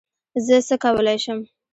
زه څه کولی شم؟